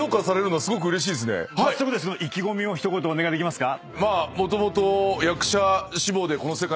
早速ですけど意気込みを一言お願いできますか？